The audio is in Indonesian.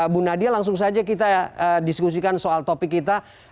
bu nadia langsung saja kita diskusikan soal topik kita